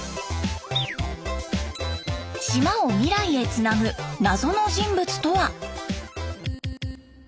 島を未来へつなぐ謎の人物とは？